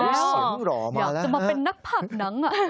อยากจะมาเป็นนักผับหนัง